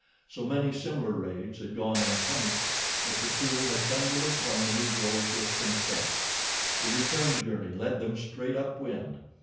So many similar raids had gone unpunished that the two had come to look upon the Negroes with contempt. The return journey led them straight up wind.